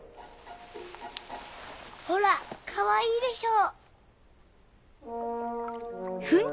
ほらかわいいでしょ？